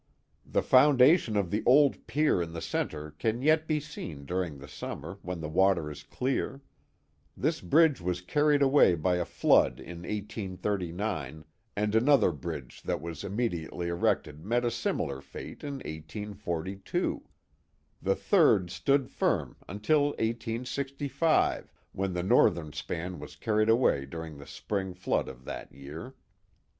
The foundation of the old pier in the centre can yet be seen during the summer, when the water is clear. This bridge was carried away by a fiood in 1839. and another bridge that was immediately erected met a similar fate in 1842. The third stood firm until 1S65, when the northern span was carried away during the spring flood of that year.